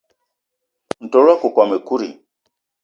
Ntol wakokóm ekut i?